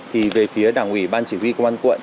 thì về phía đảng ủy ban chỉ huy quân quận